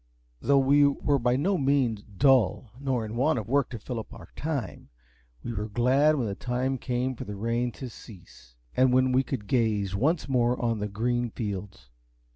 Though we were by no means dull, nor in want of work to fill up our time, we were glad when the time came for the rain to cease, and when we could gaze once more on the green fields.